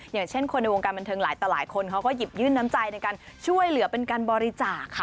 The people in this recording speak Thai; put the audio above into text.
อย่างเช่นคนในวงการบันเทิงหลายต่อหลายคนเขาก็หยิบยื่นน้ำใจในการช่วยเหลือเป็นการบริจาคค่ะ